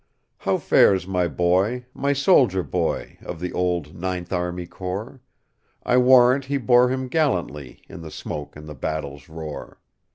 "How fares my boy,—my soldier boy, Of the old Ninth Army Corps?I warrant he bore him gallantlyIn the smoke and the battle's roar!"